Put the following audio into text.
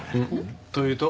というと？